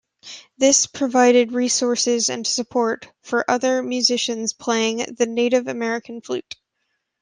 This provided resources and support for other musicians playing the Native American flute.